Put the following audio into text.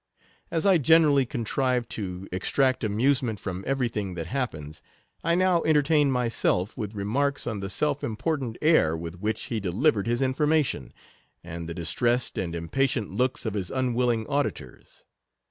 As I generally contrive to extract amusement from every thing that happens, I now entertained myself with remarks on the self important air with which he delivered his information, and the distressed and im patient looks of his unwilling auditors.